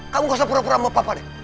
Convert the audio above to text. kamu gak usah pura pura sama papa deh